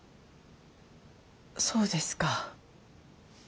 そうですか。